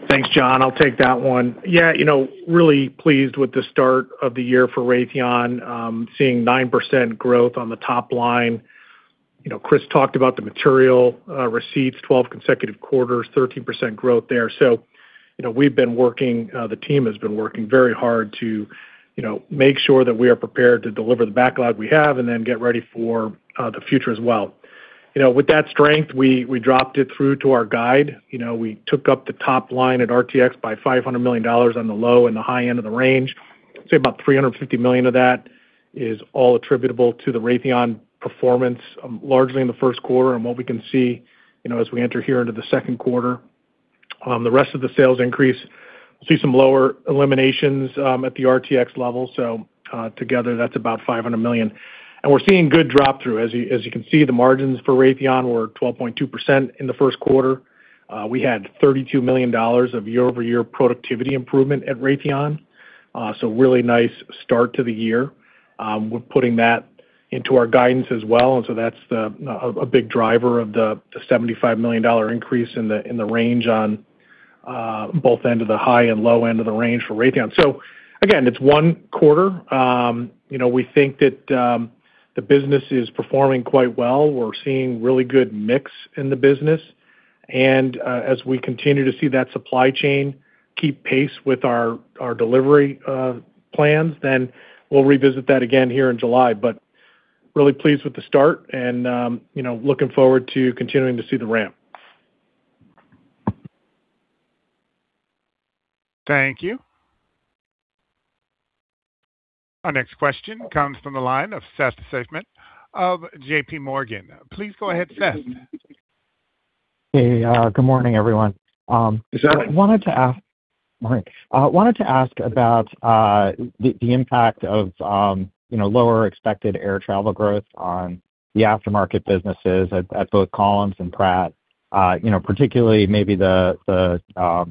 Thanks, John. I'll take that one. Yeah. Really pleased with the start of the year for Raytheon. Seeing 9% growth on the top line. Chris talked about the material receipts, 12 consecutive quarters, 13% growth there. The team has been working very hard to make sure that we are prepared to deliver the backlog we have and then get ready for the future as well. With that strength, we dropped it through to our guide. We took up the top line at RTX by $500 million on the low and the high end of the range. I'd say about $350 million of that is all attributable to the Raytheon performance, largely in the first quarter and what we can see as we enter here into the second quarter. The rest of the sales increase, we'll see some lower eliminations at the RTX level. Together, that's about $500 million. We're seeing good drop through. As you can see, the margins for Raytheon were 12.2% in the first quarter. We had $32 million of year-over-year productivity improvement at Raytheon. Really nice start to the year. We're putting that into our guidance as well, and so that's a big driver of the $75 million increase in the range on both end of the high and low end of the range for Raytheon. Again, it's one quarter. We think that the business is performing quite well. We're seeing really good mix in the business. As we continue to see that supply chain keep pace with our delivery plans, then we'll revisit that again here in July. Really pleased with the start and looking forward to continuing to see the ramp. Thank you. Our next question comes from the line of Seth Seifman of JPMorgan. Please go ahead, Seth. Hey, good morning, everyone. Good morning. Morning. I wanted to ask about the impact of lower expected air travel growth on the aftermarket businesses at both Collins and Pratt. Particularly maybe the shorter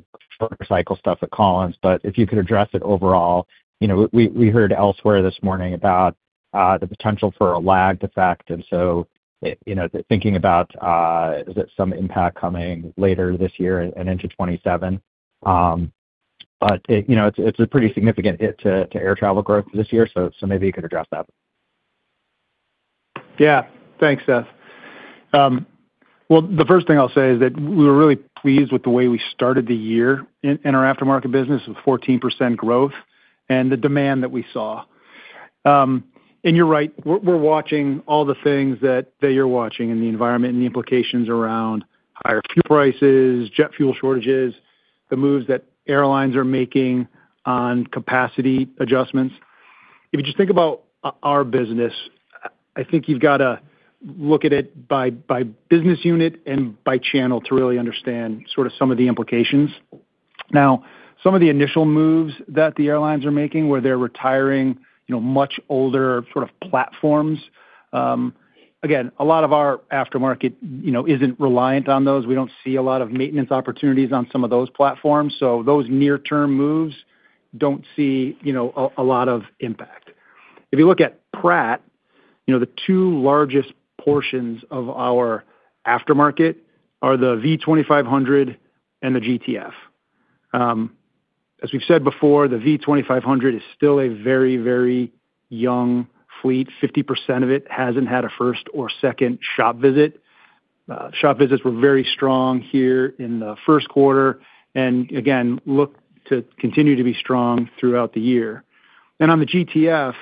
cycle stuff at Collins. If you could address it overall. We heard elsewhere this morning about the potential for a lagged effect, and so thinking about, is it some impact coming later this year and into 2027? It's a pretty significant hit to air travel growth this year, so maybe you could address that. Yeah. Thanks, Seth. Well, the first thing I'll say is that we were really pleased with the way we started the year in our aftermarket business with 14% growth and the demand that we saw. You're right, we're watching all the things that you're watching in the environment and the implications around higher fuel prices, jet fuel shortages, the moves that airlines are making on capacity adjustments. If you just think about our business, I think you've got to look at it by business unit and by channel to really understand sort of some of the implications. Now, some of the initial moves that the airlines are making, where they're retiring much older platforms, again, a lot of our aftermarket isn't reliant on those. We don't see a lot of maintenance opportunities on some of those platforms. Those near-term moves don't see a lot of impact. If you look at Pratt, the two largest portions of our aftermarket are the V2500 and the GTF. As we've said before, the V2500 is still a very, very young fleet. 50% of it hasn't had a first or second shop visit. Shop visits were very strong here in the first quarter, and again, look to continue to be strong throughout the year. On the GTF,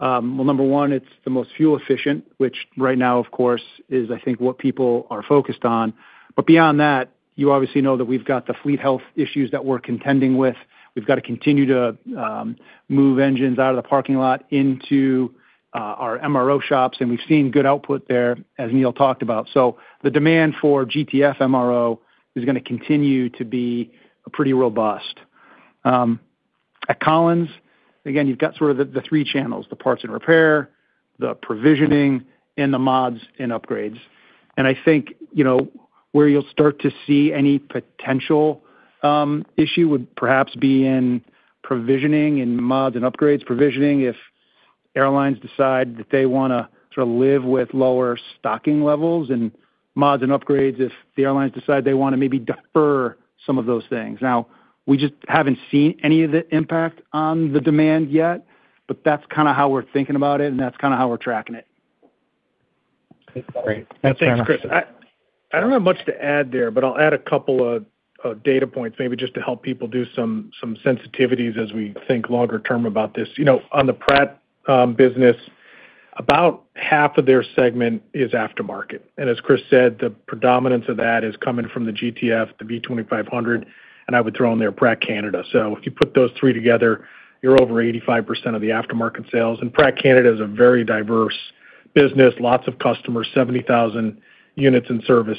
well, number one, it's the most fuel efficient, which right now, of course, is, I think, what people are focused on. But beyond that, you obviously know that we've got the fleet health issues that we're contending with. We've got to continue to move engines out of the parking lot into our MRO shops, and we've seen good output there, as Neil talked about. The demand for GTF MRO is going to continue to be pretty robust. At Collins, again, you've got sort of the three channels, the parts and repair, the provisioning, and the mods and upgrades. I think, where you'll start to see any potential issue would perhaps be in provisioning and mods and upgrades. Provisioning, if airlines decide that they want to live with lower stocking levels, and mods and upgrades, if the airlines decide they want to maybe defer some of those things. Now, we just haven't seen any of the impact on the demand yet, but that's kind of how we're thinking about it, and that's kind of how we're tracking it. Great. Thanks, Chris. I don't have much to add there, but I'll add a couple of data points maybe just to help people do some sensitivities as we think longer term about this. On the Pratt business, about half of their segment is aftermarket. As Chris said, the predominance of that is coming from the GTF, the V2500, and I would throw in there Pratt Canada. If you put those three together, you're over 85% of the aftermarket sales. Pratt Canada is a very diverse business, lots of customers, 70,000 units in service,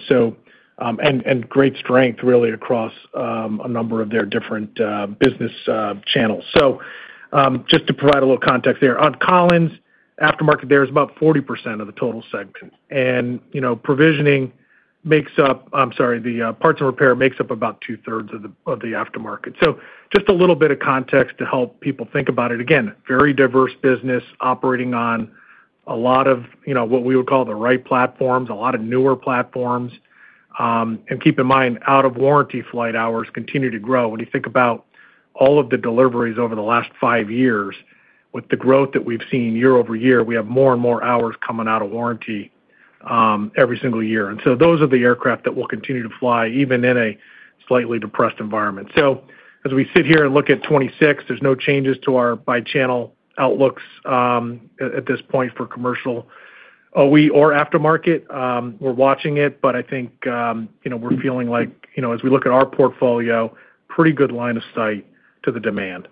and great strength really across a number of their different business channels. Just to provide a little context there. On Collins, aftermarket there is about 40% of the total segment. The parts and repair makes up about two-thirds of the aftermarket. Just a little bit of context to help people think about it. Again, very diverse business operating on a lot of what we would call the right platforms, a lot of newer platforms. Keep in mind, out-of-warranty flight hours continue to grow. When you think about all of the deliveries over the last five years, with the growth that we've seen year-over-year, we have more and more hours coming out of warranty every single year. Those are the aircraft that will continue to fly, even in a slightly depressed environment. As we sit here and look at 2026, there's no changes to our by-channel outlooks at this point for commercial OE or aftermarket. We're watching it, but I think we're feeling like, as we look at our portfolio, pretty good line of sight to the demand.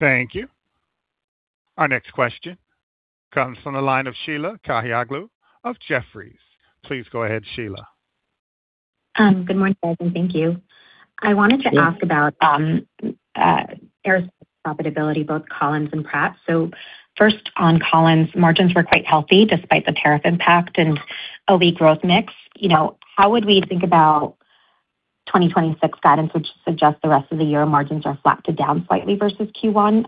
Thank you. Our next question comes from the line of Sheila Kahyaoglu of Jefferies. Please go ahead, Sheila. Good morning, guys, and thank you. I wanted to ask about aerospace profitability, both Collins and Pratt. First on Collins, margins were quite healthy despite the tariff impact and OE growth mix. How would we think about 2026 guidance, which suggests the rest of the year margins are flat to down slightly versus Q1,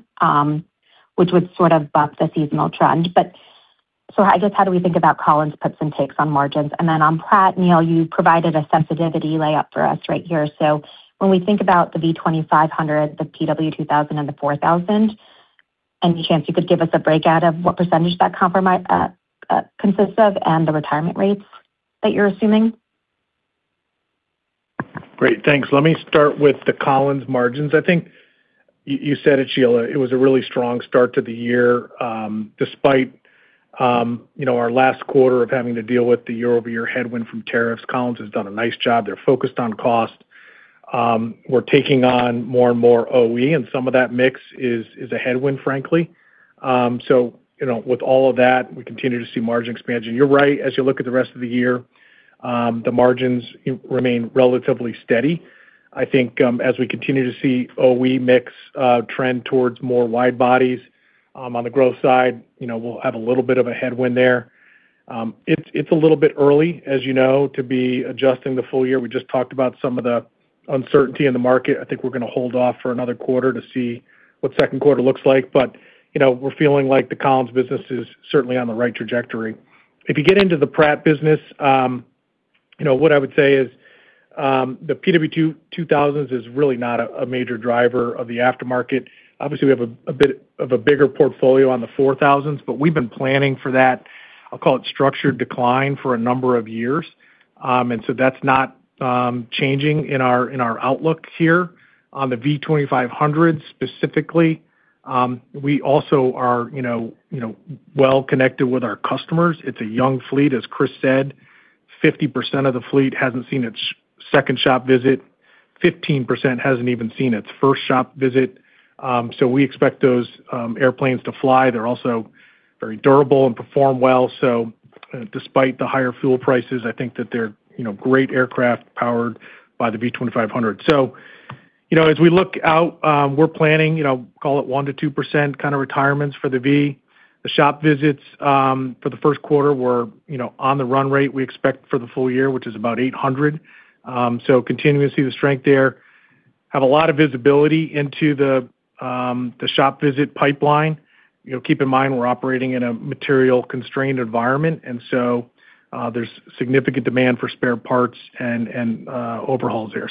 which would sort of buck the seasonal trend? I guess how do we think about Collins' puts and takes on margins? Then on Pratt, Neil, you provided a sensitivity layup for us right here. When we think about the V2500, the PW2000, and the 4000, any chance you could give us a breakout of what percentage that consists of and the retirement rates that you're assuming? Great. Thanks. Let me start with the Collins margins. I think you said it, Sheila, it was a really strong start to the year. Despite our last quarter of having to deal with the year-over-year headwind from tariffs, Collins has done a nice job. They're focused on cost. We're taking on more and more OE, and some of that mix is a headwind, frankly. With all of that, we continue to see margin expansion. You're right, as you look at the rest of the year, the margins remain relatively steady. I think as we continue to see OE mix trend towards more wide bodies on the growth side, we'll have a little bit of a headwind there. It's a little bit early, as you know, to be adjusting the full year. We just talked about some of the uncertainty in the market. I think we're going to hold off for another quarter to see what second quarter looks like. We're feeling like the Collins business is certainly on the right trajectory. If you get into the Pratt business What I would say is the PW2000s is really not a major driver of the aftermarket. Obviously, we have a bit of a bigger portfolio on the 4000s, but we've been planning for that, I'll call it structured decline, for a number of years. That's not changing in our outlook here. On the V2500s specifically, we also are well-connected with our customers. It's a young fleet, as Chris said. 50% of the fleet hasn't seen its second shop visit, 15% hasn't even seen its first shop visit. We expect those airplanes to fly. They're also very durable and perform well. Despite the higher fuel prices, I think that they're great aircraft powered by the V2500. As we look out, we're planning, call it 1%-2% kind of retirements for the V. The shop visits for the first quarter were on the run rate we expect for the full year, which is about 800. Continuing to see the strength there. We have a lot of visibility into the shop visit pipeline. Keep in mind, we're operating in a material-constrained environment, and so there's significant demand for spare parts and overhauls there.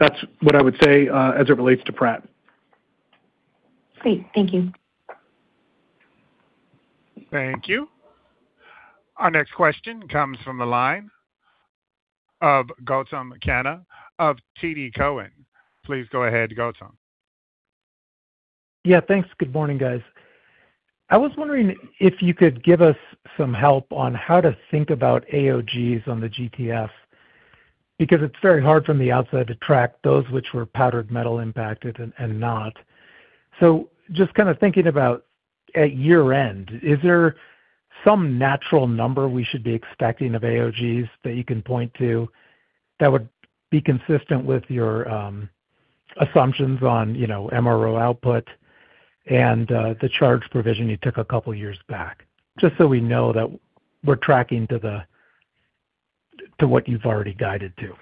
That's what I would say as it relates to Pratt. Great. Thank you. Thank you. Our next question comes from the line of Gautam Khanna of TD Cowen. Please go ahead, Gautam. Yeah, thanks. Good morning, guys. I was wondering if you could give us some help on how to think about AOGs on the GTF, because it's very hard from the outside to track those which were powdered metal impacted and not. Just kind of thinking about at year-end, is there some natural number we should be expecting of AOGs that you can point to that would be consistent with your assumptions on MRO output and the charge provision you took a couple years back? Just so we know that we're tracking to what you've already guided to.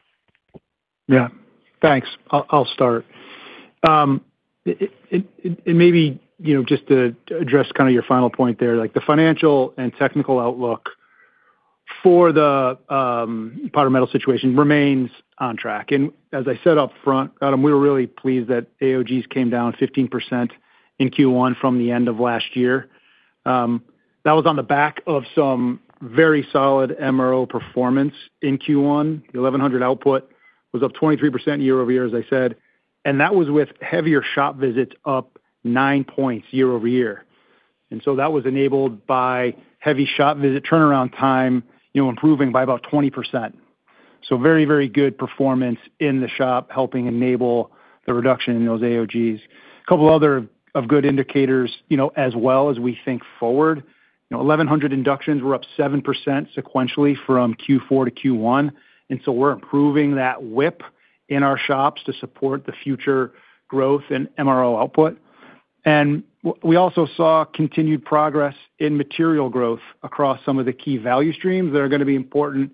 Yeah. Thanks. I'll start. Maybe just to address your final point there, the financial and technical outlook for the powder metal situation remains on track. As I said up front, Gautam, we were really pleased that AOGs came down 15% in Q1 from the end of last year. That was on the back of some very solid MRO performance in Q1. 1100 output was up 23% year-over-year, as I said, and that was with heavier shop visits up nine points year-over-year. That was enabled by heavy shop visit turnaround time improving by about 20%. Very good performance in the shop, helping enable the reduction in those AOGs. A couple other good indicators as well as we think forward. 1,100 inductions were up 7% sequentially from Q4 to Q1, and so we're improving that WIP in our shops to support the future growth in MRO output. We also saw continued progress in material growth across some of the key value streams that are going to be important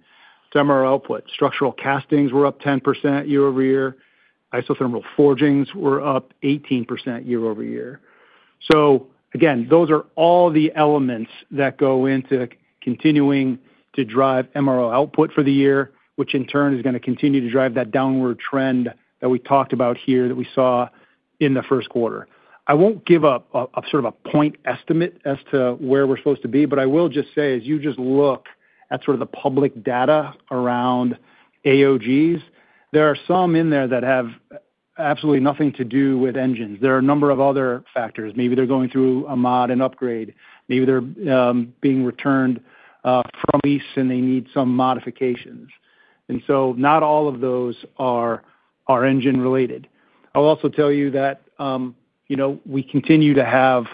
to MRO output. Structural castings were up 10% year-over-year. Isothermal forgings were up 18% year-over-year. Again, those are all the elements that go into continuing to drive MRO output for the year, which in turn is going to continue to drive that downward trend that we talked about here that we saw in the first quarter. I won't give a sort of a point estimate as to where we're supposed to be, but I will just say, as you just look at sort of the public data around AOGs, there are some in there that have absolutely nothing to do with engines. There are a number of other factors. Maybe they're going through a mod, an upgrade, maybe they're being returned from lease and they need some modifications. Not all of those are engine related. I'll also tell you that we continue to have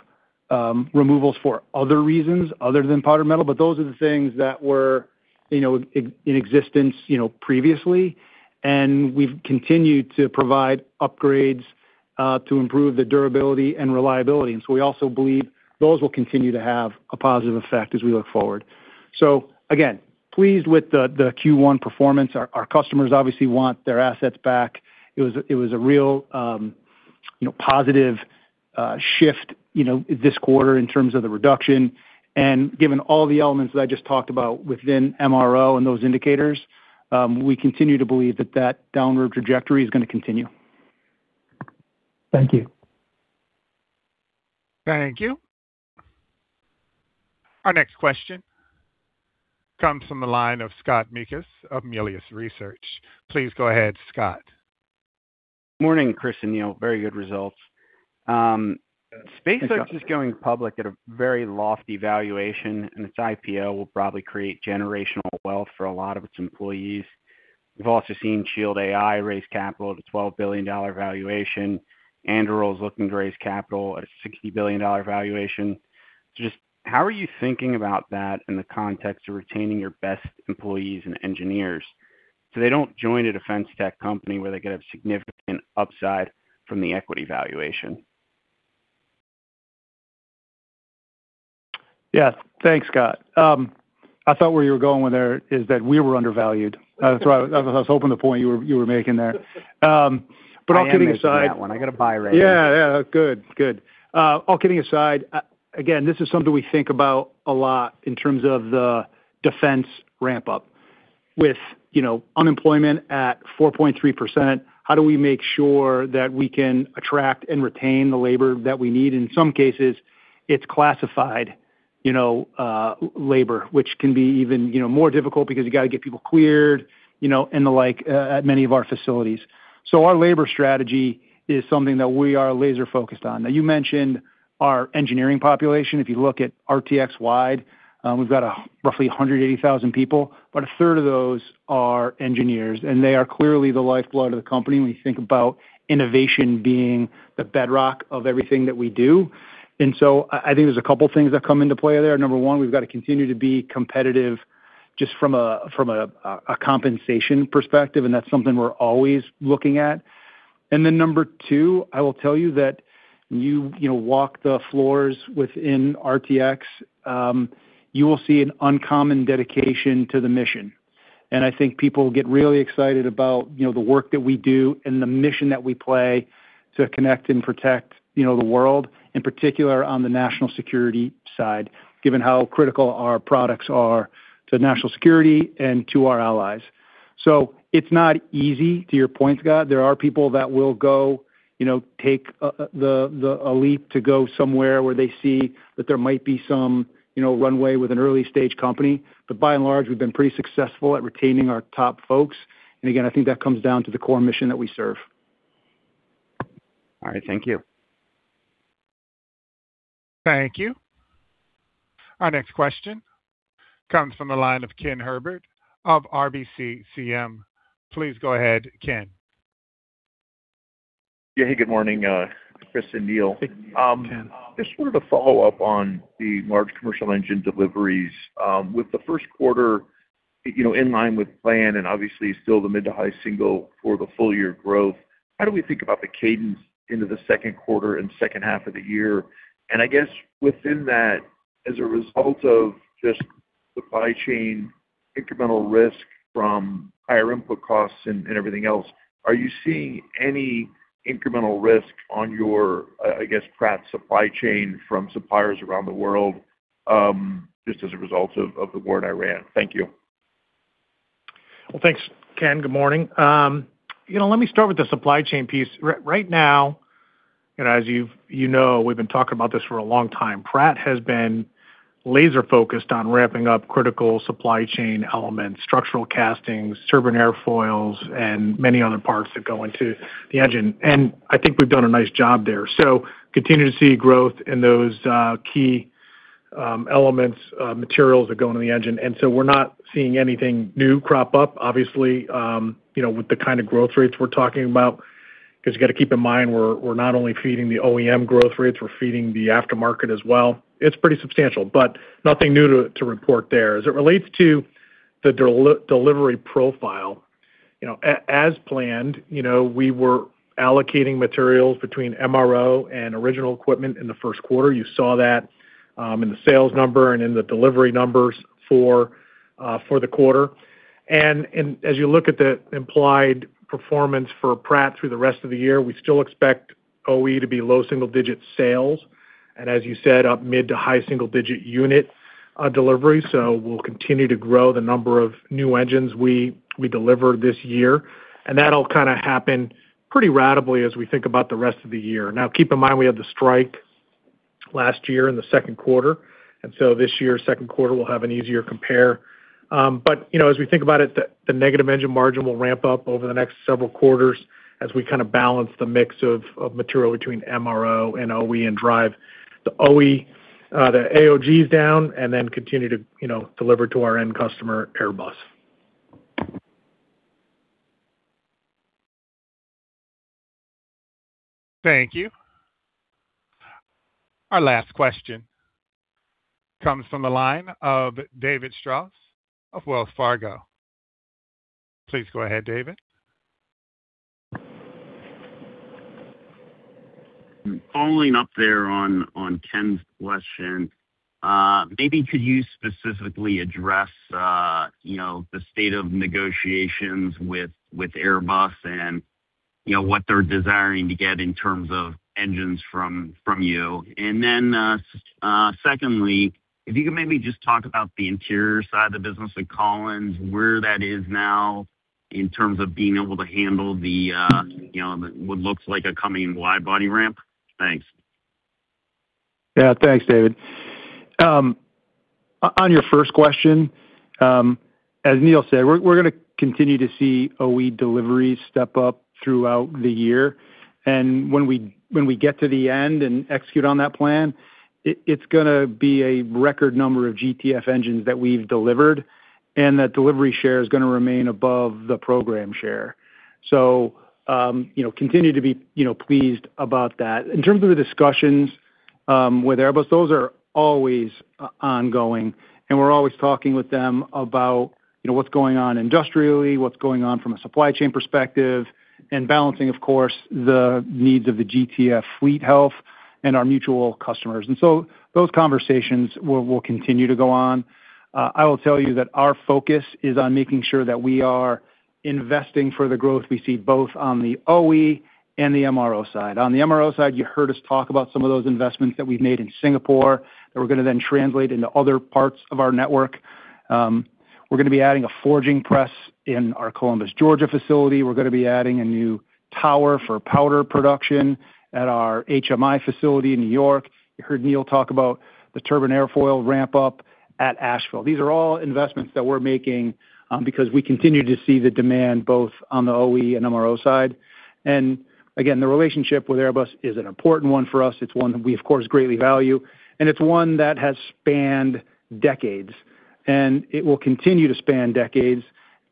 removals for other reasons other than powder metal, but those are the things that were in existence previously, and we've continued to provide upgrades to improve the durability and reliability. We also believe those will continue to have a positive effect as we look forward. Again, pleased with the Q1 performance. Our customers obviously want their assets back. It was a real positive shift this quarter in terms of the reduction. Given all the elements that I just talked about within MRO and those indicators, we continue to believe that that downward trajectory is going to continue. Thank you. Thank you. Our next question comes from the line of Scott Mikus of Melius Research. Please go ahead, Scott. Morning, Chris and Neil. Very good results. SpaceX is going public at a very lofty valuation, and its IPO will probably create generational wealth for a lot of its employees. We've also seen Shield AI raise capital at a $12 billion valuation. Anduril is looking to raise capital at a $60 billion valuation. Just how are you thinking about that in the context of retaining your best employees and engineers so they don't join a defense tech company where they could have significant upside from the equity valuation? Yeah. Thanks, Scott. I thought where you were going with that is that we were undervalued. That's what I was hoping the point you were making there. All kidding aside. I am into that one. I got a buy rating. Yeah. Good. All kidding aside, again, this is something we think about a lot in terms of the defense ramp-up. With unemployment at 4.3%, how do we make sure that we can attract and retain the labor that we need? In some cases, it's classified labor, which can be even more difficult because you got to get people cleared, and the like, at many of our facilities. Our labor strategy is something that we are laser-focused on. Now, you mentioned our engineering population. If you look at RTX wide, we've got roughly 180,000 people. About a third of those are engineers, and they are clearly the lifeblood of the company when you think about innovation being the bedrock of everything that we do. I think there's a couple things that come into play there. Number one, we've got to continue to be competitive just from a compensation perspective, and that's something we're always looking at. Number two, I will tell you that you walk the floors within RTX, you will see an uncommon dedication to the mission. I think people get really excited about the work that we do and the mission that we play to connect and protect the world, in particular on the national security side, given how critical our products are to national security and to our allies. It's not easy. To your point, Scott, there are people that will go take a leap to go somewhere where they see that there might be some runway with an early-stage company. By and large, we've been pretty successful at retaining our top folks. Again, I think that comes down to the core mission that we serve. All right. Thank you. Thank you. Our next question comes from the line of Ken Herbert of RBC CM. Please go ahead, Ken. Yeah. Hey, good morning, Chris and Neil. Hey, Ken. Just wanted to follow up on the large commercial engine deliveries. With the first quarter in line with plan and obviously still the mid- to high-single-digit for the full year growth, how do we think about the cadence into the second quarter and second half of the year? I guess within that, as a result of just supply chain incremental risk from higher input costs and everything else, are you seeing any incremental risk on your, I guess, Pratt supply chain from suppliers around the world, just as a result of the war in Ukraine? Thank you. Well, thanks, Ken. Good morning. Let me start with the supply chain piece. Right now, as you know, we've been talking about this for a long time. Pratt has been laser-focused on ramping up critical supply chain elements, structural castings, turbine airfoils, and many other parts that go into the engine. I think we've done a nice job there. We continue to see growth in those key elements, materials that go into the engine. We're not seeing anything new crop up, obviously, with the kind of growth rates we're talking about, because you got to keep in mind, we're not only feeding the OEM growth rates, we're feeding the aftermarket as well. It's pretty substantial, but nothing new to report there. As it relates to the delivery profile, as planned, we were allocating materials between MRO and original equipment in the first quarter. You saw that in the sales number and in the delivery numbers for the quarter. As you look at the implied performance for Pratt through the rest of the year, we still expect OE to be low single-digit sales, as you said, up mid to high single digit unit delivery. We'll continue to grow the number of new engines we deliver this year, and that'll kind of happen pretty ratably as we think about the rest of the year. Now, keep in mind, we had the strike last year in the second quarter, and so this year's second quarter will have an easier compare. As we think about it, the negative engine margin will ramp up over the next several quarters as we kind of balance the mix of material between MRO and OE and drive the OE, the AOGs down and then continue to deliver to our end customer, Airbus. Thank you. Our last question comes from the line of David Strauss of Wells Fargo. Please go ahead, David. Following up there on Ken's question, maybe could you specifically address the state of negotiations with Airbus and what they're desiring to get in terms of engines from you? And then, secondly, if you could maybe just talk about the interior side of the business with Collins, where that is now in terms of being able to handle what looks like a coming wide body ramp? Thanks. Yeah. Thanks, David. On your first question, as Neil said, we're going to continue to see OE deliveries step up throughout the year. When we get to the end and execute on that plan, it's going to be a record number of GTF engines that we've delivered, and that delivery share is going to remain above the program share. Continue to be pleased about that. In terms of the discussions with Airbus, those are always ongoing, and we're always talking with them about what's going on industrially, what's going on from a supply chain perspective, and balancing, of course, the needs of the GTF fleet health and our mutual customers. Those conversations will continue to go on. I will tell you that our focus is on making sure that we are investing for the growth we see both on the OE and the MRO side. On the MRO side, you heard us talk about some of those investments that we've made in Singapore that we're going to then translate into other parts of our network. We're going to be adding a forging press in our Columbus, Georgia facility. We're going to be adding a new tower for powder production at our HMI facility in New York. You heard Neil talk about the turbine airfoil ramp up at Asheville. These are all investments that we're making because we continue to see the demand both on the OE and MRO side. Again, the relationship with Airbus is an important one for us. It's one we, of course, greatly value, and it's one that has spanned decades, and it will continue to span decades,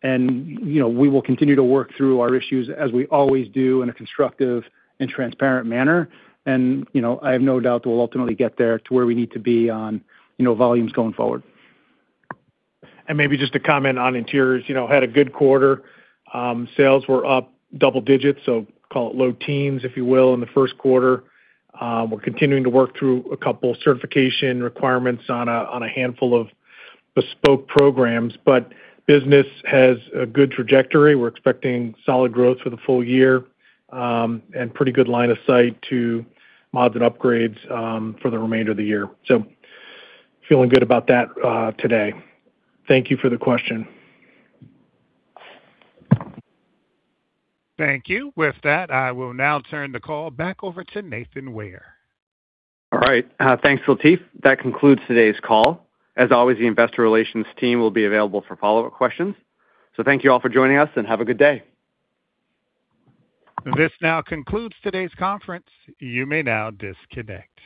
and we will continue to work through our issues as we always do in a constructive and transparent manner. I have no doubt we'll ultimately get there to where we need to be on volumes going forward. Maybe just to comment on interiors, had a good quarter. Sales were up double digits, so call it low teens, if you will, in the first quarter. We're continuing to work through a couple certification requirements on a handful of bespoke programs, but business has a good trajectory. We're expecting solid growth for the full year, and pretty good line of sight to mods and upgrades for the remainder of the year. Feeling good about that today. Thank you for the question. Thank you. With that, I will now turn the call back over to Nathan Ware. All right. Thanks, Latif. That concludes today's call. As always, the investor relations team will be available for follow-up questions. Thank you all for joining us, and have a good day. This now concludes today's conference. You may now disconnect.